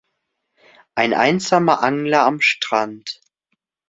Ein einsamer Angler am Strand.